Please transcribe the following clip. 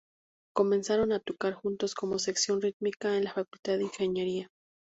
Comenzaron a tocar juntos como sección rítmica en la facultad de ingeniería.